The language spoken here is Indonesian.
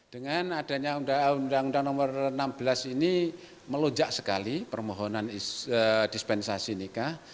dengan adanya undang undang nomor enam belas ini melonjak sekali permohonan dispensasi nikah